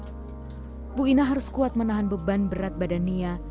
ibu ina harus kuat menahan beban berat badan nia